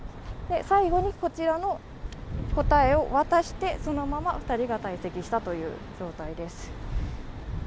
最後にこちらの答えを渡してそのまま２人が退席したという状態です。